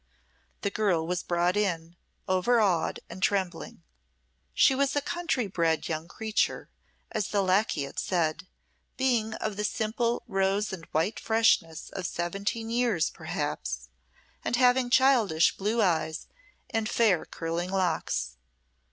The girl was brought in, overawed and trembling. She was a country bred young creature, as the lacquey had said, being of the simple rose and white freshness of seventeen years perhaps, and having childish blue eyes and fair curling locks.